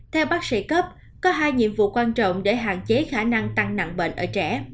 theo bác sĩ cấp có hai nhiệm vụ quan trọng để hạn chế khả năng tăng nặng bệnh ở trẻ